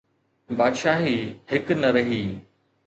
بادشاهي هڪ نه رهي.